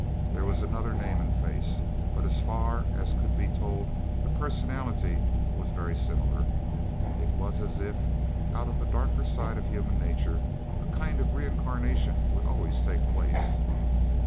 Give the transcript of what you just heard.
There was another name and face; but as far as could be told, the personality was very similar. It was as if, out of the darker side of human nature, a kind of reincarnation would always take place.